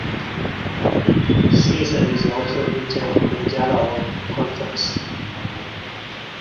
Seasar is also featured in JavaOne conference.